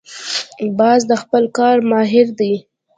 باز د خپل کار ماهر دی